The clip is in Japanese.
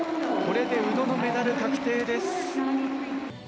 これで宇野のメダル確定です。